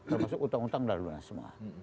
termasuk utang utang lalu lah semua